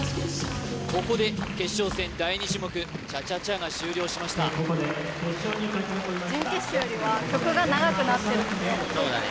ここで決勝戦第２種目チャチャチャが終了しましたそうだね